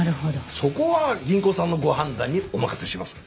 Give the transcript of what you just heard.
そこは銀行さんのご判断にお任せします。